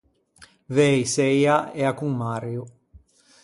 Vëi seia ea con Mario.